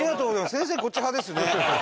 先生こっち派ですね。